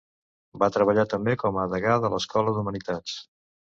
Va treballar també com a Degà de l'Escola d'Humanitats.